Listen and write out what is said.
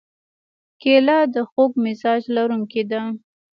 کېله د خوږ مزاج لرونکې ده.